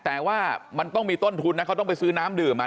แต่ว่ามันต้องมีต้นทุนนะเขาต้องไปซื้อน้ำดื่มอ่ะ